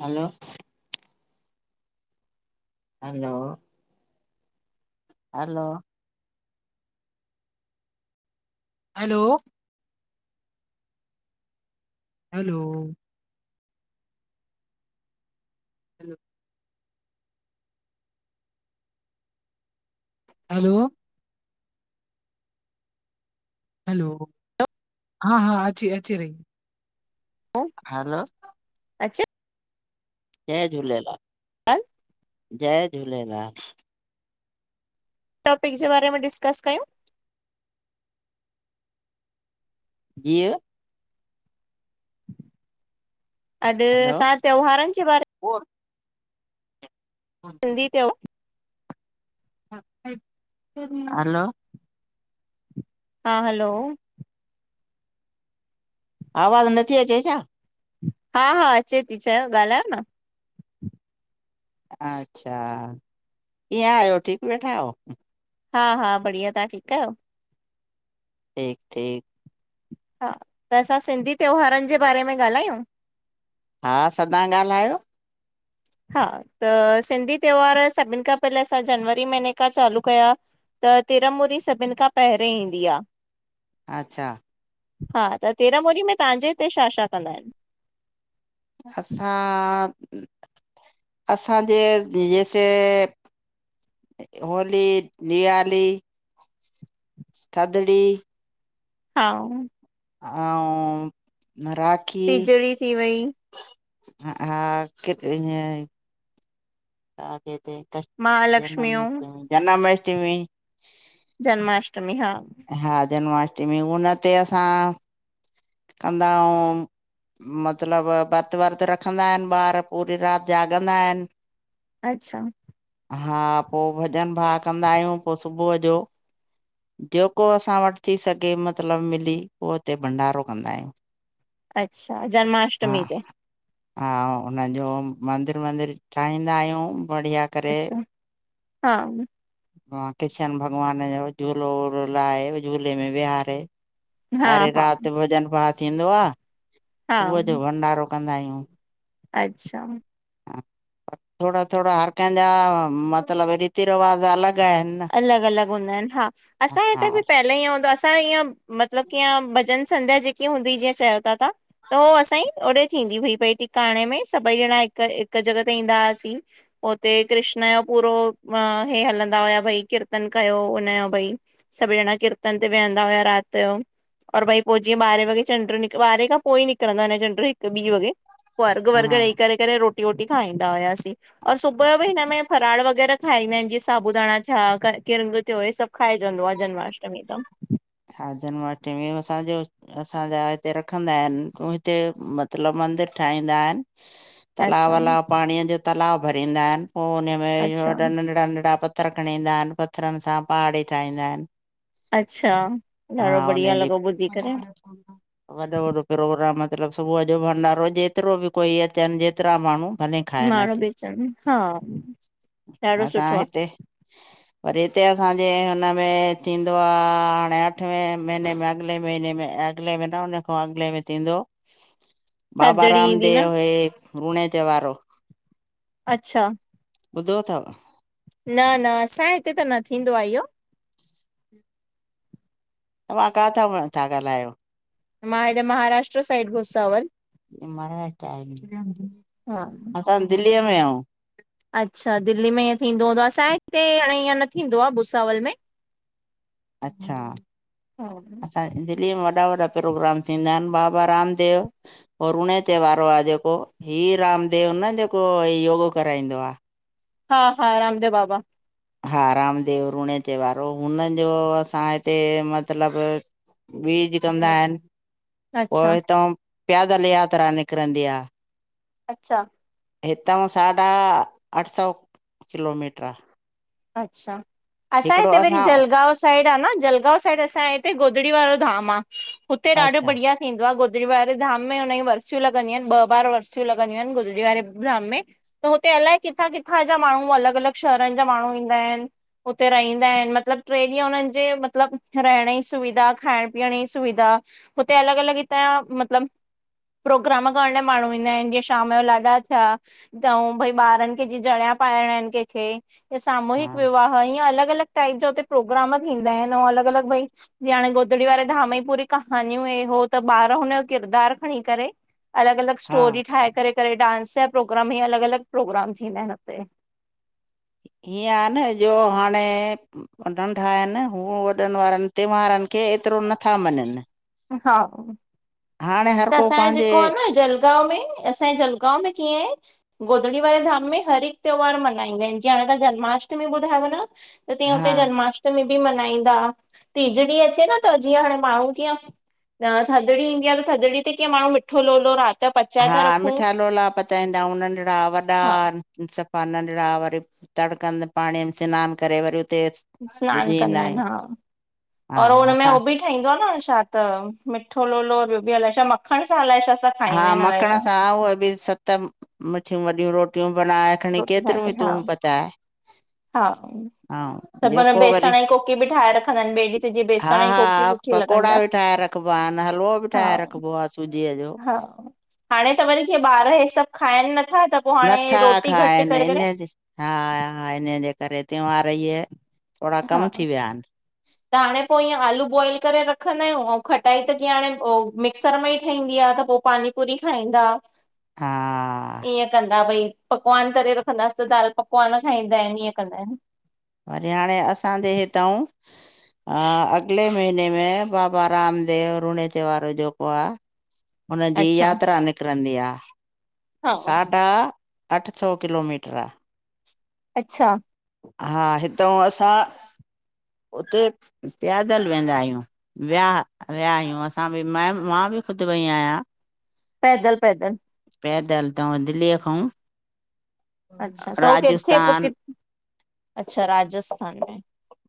हलो! Hello! Hello! Hello! Hello! Hello! Hello! Hello हा- हा, अची- अची रही। हलो हलो! अचे जय झूलेलाल। हा! जय झूलेलाल। टॉपिक जे बारे में डिस्कस कयूं। जीउ अॾ हलो असां त्योहारन जे बारे सिंधी त्यो ' 'हलो! हा, हलो! आवाज़ नथी अचे छा? हा- हा अचे थी चयो ॻाल्हायो न। अच्छा, कीअं आहियो ठीक वेठा आहयो। हा -हा बढ़िया तां ठीक आहियो। ठीक- ठीक! हा त असां सिंधी त्योहारन जे बारे में ॻाल्हायूं। हा सदां ॻाल्हायो। हा त सिंधी त्योहार सभिन खां पहले असां जनवरी महीने खां चालू कया। त तिरमूरी सभिन खां पहरियोें ईंदी आ। अच्छा! हा त तिरामूरी में तव्हांजे हिते छा छा कंदा आहिन? असां असांजे हिते होली, दियाली। थदड़ी। हा! अउं रा तीजड़ी थी वई। ह हा कि ते क महालक्ष्मियूं जनाष्टमी जनमाष्टमी जन्माष्टमी हा। हा जन्माष्टमी हुन तेे असां कंद मतिलबु भतु वर्तु रखंदा हिनि ॿार पूरी राति जाॻंदा हिनि। अच्छा। हा पो भॼन भाव कंदा आहियूं पो सुबुअ जो। जेको असां वटि थी सघे मतिलबु मिली उहो हुते भंडारो कंदा आहियूं। अच्छा हा जन्माष्टमी ते? हा उन्हन जो मंदिर वंदिर ठाहींदा आहियूं बढ़िया करे अच्छा हा। ह कृष्ण भॻवान जो झूलो वूलो लाहे झूले में विहारे हा सारी हा राति भॼन भाव थींदो आ, हा सुबुअ जो भंडारो कंदा आहियूं। अच्छा। हा पर थोड़ा -थोड़ा हर कंहिंजा मतिलब रीति रिवाज अलॻि आहिनि। न अलॻि -अलॻि हूंदा हिनि हा, असांजे हा हिते बि पहले ईअं हूंदो हो, असां ईअं मतलब कीअं जनसंध्या जेकी हूंदी ही जीअं चयो ता ताहां त हो असांजी ओॾे थींदी हुई भई टिकाणे में सभई ॼणा हिक हिक जॻह ते ईंदा हासीं। उते कृष्ण जो पूरो अ हे हलंदा हुया भई कीर्तन कयो, हुनजो भई सभु ॼणा कीर्तन ते वेहंदा हुया राति यो। और भई पो जीअं ॿाॾुरहे वॻे चंडु ॿारहें खां पोई निकरंदो आ हिन यो चंड्रु हिक ॿी वॻे। पो अर्गु -वर्गु हा ॾई करे करे रोटी- वोटी खाईंदा हुयासीं और सुबुअ यो बि हिन में फराड़ वग़ैरह खाईंदा आहिनि जीअं साबूदाणां थिया, किरिंगु थियो हे सभु खाइजंदो आ जन्माष्टमी तंउं। हा जन्माष्टमी में असांजो असांजा हिते रखंदा हिनि, हिते मतिलब मंदिर ठाहींदा हिनि। तलाउ अच्छा वला पांणीअ जो तलाउ भरींदा हिनि पो हुनमें इह्यो अच्छा नंढिड़ा नंढिड़ा पत पत्थर खणींदा हिनि पत्थरनि सां पहाड़ी ठाहींदा हिनि अच्छा ॾाढो बढ़िया हुनजी लॻो ॿुधी वॾा करे। वॾा हा। वॾो -वॾो प्रोग्राम मतलब सुबुअ जो भंडारो जेतिरो बि कोई अचनि जेतिरा माण्हूं भले खाएन माण्हू बि अची अचनि हा ॾाढो असां सुठो आहे हिते पर हिते असांजे हुनमें थींदो आ हाणे अट अठे महीने में अगिले महीने में अगिले में न हुनन खां अॻिले में थींदो बाबा थदड़ी ईंदी न रामदेव हे रूणे त्योहारो अच्छा। ॿुधो थव न न असांजे हिते त न थींदो आ इह्यो। तव्हां काथां था ॻाल्हायो? मां हेॾे महाराष्ट्र साइड भूसावल। महाराष्ट्र आहिन हा असां दिल्लीअ में आऊं। अच्छा दिल्ली में ईअं थींदो हूंदो, असांजे हिते हाणे ईअं न थींदो आ भुसावल में। अच्छा असांजे दिल्लीअ में वॾा -वॾा प्रोग्राम थींदा हिनि बाबा रामदेव और उणे त्योहारो आ जेको, ही रामदेव न जेको योगो कराईंदो आ हा हा रामदेव बाबा। हा रामदेव रूणेचे वारो हुनन जो असां हिते मतिलब बीज कंदा हिनि पो अच्छा हितंउं प्यादल यात्रा निकिरंदी आ। अच्छा। हितां साढा अठ सौ किलोमीटर आ। अच्छा! असां हिते वरी जलगांव - - आहे न जलगांव साईड हिे गोधड़ी वारो धाम आ हुते ॾाढो अच्छा बढ़िया - - थींदो आ गुदरी वारे धाम में हुनजी वरसियूं लॻंदियूं आहिन ॿ बार वरसियूं लॻंदियूं आहिन गुदरी वारे धाम में। त हुते अलाए किथां किथां जा माणहू अलॻ अलॻ शहरन जा माण्हू ईंदा आहिन। उते रहंदा आहिन मतिलब ट्रे दीयं उन्हन जे मतिलब रहण जी सुविधा खाइण पीअण जी सुविधा - - हुते अलॻ अलॻ हितां जा मतलब - - प्रोग्राम करण लाइ माणहू ईंदा आहिन जीअं शाम जो लाॾा थिया। भई ॿारन खे जीअ जणिया पाइणा आहिन कंहिंखे हा सामूहिक विवाह ह इअं अलॻ अलॻ टाइप जा हुते प्रोग्राम थींदा आहिन ऐं अलॻ अलॻ भई - - जीअं हाणे गोदड़ी वारे धाम जी पूरी कहानियूं इ उो त ॿार हुनजो किरदारु खणी करे - - अलॻ अलॻ हा स्टोरी ठाहे करे करे डांस जा प्रोग्राम ई अलॻ अलॻ प्रोग्राम थींदा आहिन हुते। हीअं आहे न जो हाणे - - नंढा आहिन हू वॾन वारन त्यैहारन खे एतरो नथा मञन। हा! हर त को असांजो पंहिंजे जेको आहे न जलगांव में असांजे जलगांव में कीअं आहे - - गोधड़ी वारेधाम में हर हीक त्योहार मल्हाईंदा आहिन जीअं हाणे तव्हां जन्माष्टमी ॿुधाययो न - - त तीअं हा हुते जन्माष्टमी बि मल्हाईंदा तीजड़ी अचे न त जीअं हाणे माण्हू कीअं - - न थधड़ी ईंदी आ त थधड़ी ते कीअं माणहू मिठो लोलो रात - - हा मिठा लोला पचाईंदा आहियूं नंढिड़ा वॾा हा - - सफ़ा नंढिड़ा वरी तड़कंद पाणी स्नान वरी उते - - स्नान कंदा आहिन हा हा और हा हुनमें असां होहो बि - - ठहंदो आहे न छा त मिठो लोलो ॿियो बि हलाए छा मखण सां हलाए छा- - हा मखण सां उहे बि सत मिठियूं वॾियूं रोटियूं बनाए - - खणी रोटी ठाहे केतिर में करे हा तूं पत - - हा - - त माना जेको वरी बेसण जी कोकी बि ठाहे रखंदा आहिन ॿिए ॾींहं ते जीअं बेसण जी कोकी सुठी लॻंदी आ। रखबो आहे न हलवो बि हा ठाहे रखबो आ सूजीअ जो। हा हाणे त वरी क ॿार ह सब खाइन नथा त पोइ हाणे रोट - - इनजे हा- हा इन जे करे त्यौहार इये - - थोरा हा कम थी विया आहिन। त हाणे पोइ ईअं आलू बॉइल करे रखंदा आहियूं ऐं खटाई त जीअं हाणे मिक्सर में ई ठहंदी आ त पोइ - - पानी पुरी खाईंदा हा ईअं कंदा भई - - पकवान तरे रखंदास त दाल पकवान खाईंदा आहिन ईअं कंदा आहिन। वरी हाणे असांजे हितऊ - - हा अगले महीने में बाबा रामदेव रूणे त्यौहार जो को आ - - हुनजी अच्छा यात्रा निकिरंदी आ - - हा साढा अठ सौ किलोमीटर। अच्छा! हा हितां असां हुते पि्यादल वेंदा आहियूं। विया- विया आहियूं असां बि म मां बि ख़ुद वई आहियां। पैदल- पैदल। पैदल तऊ दिल्लीअ खांऊ - - अच्छा त उह किथे पोइ राजस्थान क अच्छा राजस्थान में।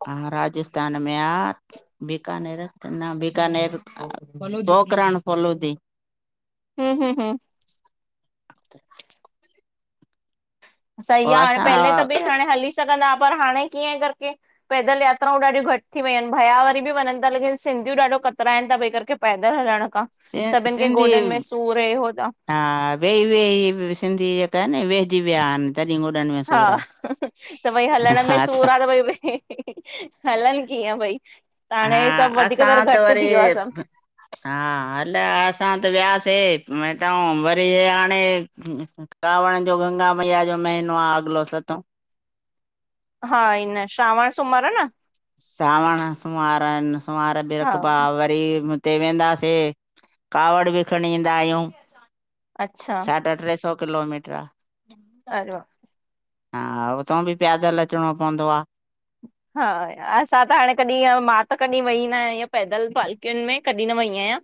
ह राजस्थान में आ - - बीकानेर न बीकानेर पोकरण फोलोदी। हम्म हम्म हम्म। अ [inaudible] सई आ हाणे पहले त असां ॿि हली सघंदा पर हाणे कीअं करके पैदल यात्रायुं ॾाढियूं घट थी वयूं आयन भया वरी ॿि वञ ता लेकिन सिंधियूं ॾाढो कतराइ ता भई करेके। पैदल हलण खां सि सॿिन खे सिंधी गोॾन में सूर से हे होडा। हा वेई-वेई सिंधी ॼेका आयन वेहॼी वया आयन। तॾी ॻोडन में। हा सूर आ। त भई हलण में हा अच्छा सूर आ त भई हलन कीअं भई त हा हाणे सॿ वधीक असां त घट थी वरी वियो आ सॿ। हा हल असां त वियासीं हि हितां वरी हाणे। कावण ॼो गंगा मैया ॼो महीनो आ अॻलो सतो। हा इन श्रावण सूमर न? सावण सोमार, सोमार हा बिरक बावर वरी हुते वेंदासीं कावड़ ॿि खणी ईंदा आयूं। अच्छा साढा टे सौ किलोमीटर। अरे हवा हा हुतां ॿि पैयादल अचणो पवंदो आ। हा असां त हाणे कॾि मां त कॾि वेई न आयां इअं पैदल पाल किन में कॾी न वई आयां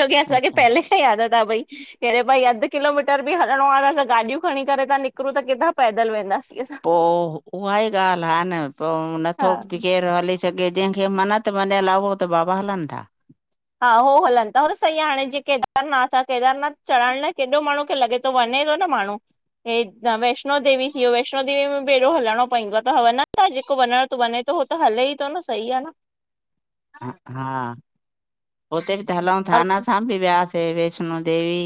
जोकी असांखे अच्छा पहले खां आदत आ भई। अरे भई अध किलोमीटर ॿि हलणो आ तसां गाॾियूं खणी करे त निकरूं त किथां पैदल वेंदासीं असां। पो उहा ई ॻाल हा न पो हा नथो केर हली सघे ॼेखे मनत मञयल आ उह त बाबा हलन था। हा हो हलन ता सही आ हाणे जीअं केदारनाथ आ केदारनाथ चढ़ण लाए केॾो माणू खे लॻे। वञे तो न माणू हे वैष्णो देवी थी वयो वैष्णो देवी में। पैरों हलणो पईंदो आ त वॼञ था जेको वञण त वञे तो उ त हले ई तो न सही आ न। ह हा हुते ॿि त हलयु था और ना असां ॿि वियासीं। हिते वैष्णो देवी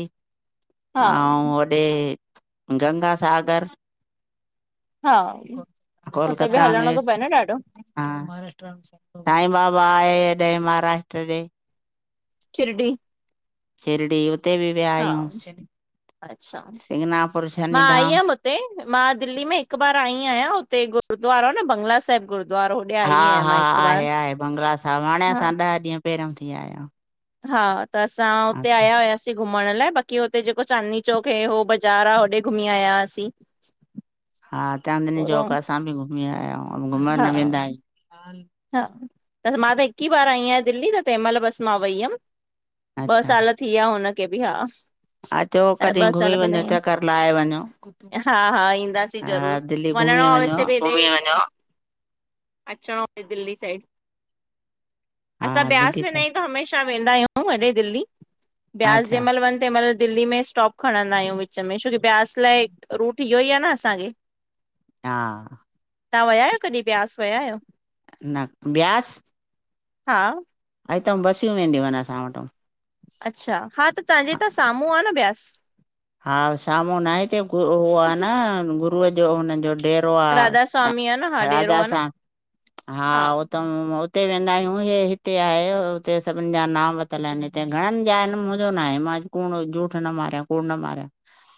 हा ऐं वॾे गंगासागर। हा हुते बि कोलकता हलणो में। थो पए न ॾाढो हा महाराष्ट्रा में साई बाबा आये हिते महाराष्ट्र ॾे। शिरडी शिरडी उते ॿि वया हा आयूं अच्छा शिंगणापुर मां आई शनिधाम। हुयमि हुते मां दिल्ली में हिक बार आई आयां हुते गुरुूद्वारो न बंगला साहिब गुरुदवारो। हा-हा आहे-आहे बंगला साब हाणे हा असां ॾह ॾींहं पेरियों थी आया। हा त असां हुते आहियूं आया होआसीं। घुमण लाए बाक़ी हुते जेको चांदनी चौक ह हो बज़ार आ होॾे घुमी आयासीं। हा चांदनी पूरो चौक असां ॿि घुमी आया आयूं घुमण हा न वेंदा आयूं। हा त मां त हिक ई बार आई आयां दिल्ली त तें मल बस मां वई अम ॿ अच्छा साल थी आ हुनखे ॿि हा। अचो कॾि ॿ घुमी साल पहले आई वञो हुयमि चक्कर लाये वञो हा हा हा। दिल्ली घुमी वञो। अचणो दिल्ली साइड। हा असां ब्यास दिल्ली वेंदा सां आयूं त हमेशा वेंदा आयूं एॾे दिल्ली। ब्यास जें अच्छा मल वञ तें मल दिल्ली में स्टॉप खणंदा आयूं विच में छोकी ब्यास लाइ रूट इहो ई आ न असांखे। हा तव्हां विया आयो कॾहिं ब्यास विया आयो? न ब्यास हा अतां बसियूं वेंदियूं आहिन असां वट अच्छा हा त तव्हांजे हितां साम्हूं आ न ब्यास। हा साम्हूं न हिते हो आ न गुरूअ जो हुनन जो ॾेरोे राधा आ, स्वामी आ न हा डेरो राजा आ न सां हा हु उते वेंदा आहियूं हे हिते आहे हुते सभिन जा नाम वरतल आहिन घणन जन मुंजो ना आहे मां कूड़ जूठ न मारया कुड़ न मारिय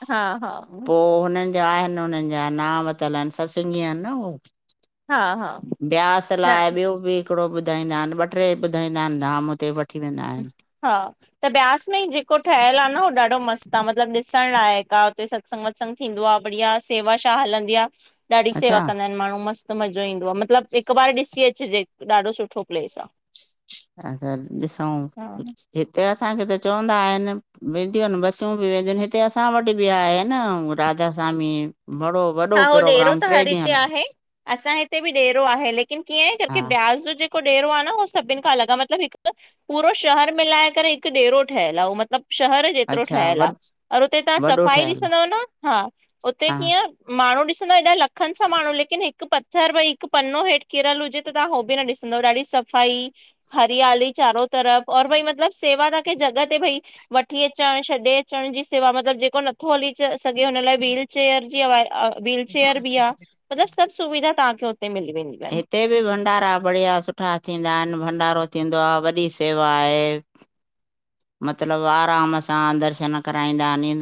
हा हा पो हुनन जबआहिन हुनन जा न वरतल आहिन सतसंगी आहिन न उ हा हा ब्यास न लाइ ॿियो बि थोड़ो ॿुधाईंदा आहिन ॿ ट्रे ॿुधाईंदा आहिन धाम हुते वठी वेंदा आहिन। हा त ब्यास में ई जेको ठयल आ न उ ॾाढो मस्त आ मतलब ॾिसण लाइक़ आहे उते त संग सत्संग थींदो आ बढ़िया शेवा छा हलंदी आ। ॾाढी अच्छा सेवा कंदा आहिन माण्हू मस्त मज़ो ईंदो आ मतलब हिक बार ॾिसी अचजे ॾाढो सुठो प्लेस आ। अ त ॾिसऊ। हा हिते असांखे त चवंदा आहिन वेंदियूं आहिन बसियूं बि वेंदियूं आहिन हिते असां वट बि आहे न राजा समी बड़ो - हा हो डेरो त हर हिते आहे असांजे हिते बि ॾेरो आहे लेकिन कीअं क हा के ब्याज जो ॾेरो आ न उ सभन खां अलॻ आ मतलब हिक पूरो शहर मिलाए करे हिक डेरो ठहयल आ हो मतलब शहर हेत्रो अच्छा थयल व आ, और हुते तवां वॾो सफाई ठहियल आहे दिसंदव न हुत्ते हा कीअ माण्हू ॾिसंदा हेॾा लखन सां माण्हू लेकिन हिक पथर भई हिक पनो हेठ किरल हुजे हुते तव्हां उह बि न ॾिसंदव ॾाढी सफ़ाई। हरियाली चारो तरफ़ और भई मतलब सेवा तखे जॻह ते भई वठी अचणु छॾे अचण जी सेवा मतलब जेको नथो हली सघे हुन लाइ व्हील चेयर जी आ व्हील चेयर बि आ मतलब सभ सुविधा तव्हांखे हुते मिली वेंदी। हिते बि भंडारा बढ़िया सुठा थींदा आहिन भंडारो थींदो आ वॾी सेवा आहे। मतलब आराम सां दर्शन कराईंदा आहिन ईंदो